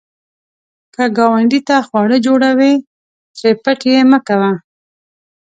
که ګاونډي ته خواړه جوړوې، ترې پټ یې مه کوه